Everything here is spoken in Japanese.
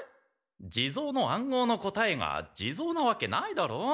地蔵の暗号の答えが地蔵なわけないだろう！